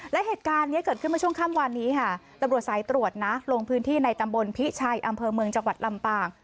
และเหตุการณ์นี้เกิดขึ้นเมื่อช่วงค่ำวานนี้ค่ะตำรวจสายตรวจนะลงพื้นที่ในตำบลพิชัยอำเภอเมืองจังหวัดลำปาง